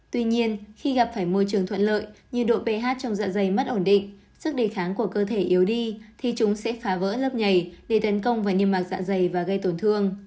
tuy nhiên khi gặp phải môi trường thuận lợi như độ ph trong dạ dày mất ổn định sức đề kháng của cơ thể yếu đi thì chúng sẽ phá vỡ lớp nhảy để tấn công vào niêm mạc dạ dày và gây tổn thương